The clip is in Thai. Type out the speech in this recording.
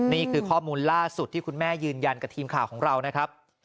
นี่คือข้อมูลล่าสุดที่คุณแม่ยืนยันกับทีมข่าวของเรานะครับ